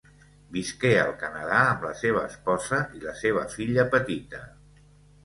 Visqué al Canadà amb la seva esposa i la seva filla petita.